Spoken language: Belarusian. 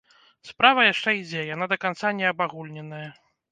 Справа яшчэ ідзе, яна да канца не абагульненая.